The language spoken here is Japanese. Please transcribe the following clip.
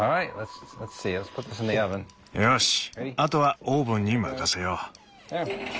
よしあとはオーブンに任せよう。